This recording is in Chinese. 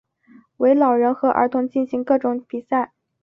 为老人和儿童进行各种比赛。